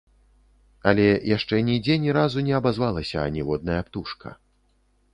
Але яшчэ нідзе ні разу не абазвалася аніводная птушка.